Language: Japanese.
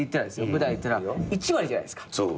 舞台でいったら１割じゃないですか。